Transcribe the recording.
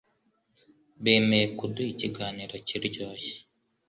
Bemeye kuduha ikiganiro kiryoshye